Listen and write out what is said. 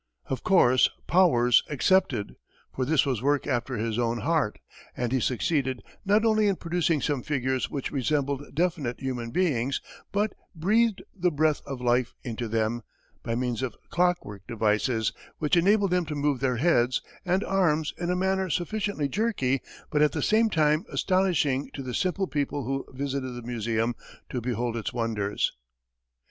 Of course Powers accepted, for this was work after his own heart, and he succeeded not only in producing some figures which resembled definite human beings, but "breathed the breath of life into them" by means of clock work devices, which enabled them to move their heads and arms in a manner sufficiently jerky, but at the same time astonishing to the simple people who visited the museum to behold its wonders.